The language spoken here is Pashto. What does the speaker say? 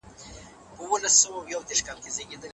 ارمان کاکا د باغونو په مینځ کې اوسېږي.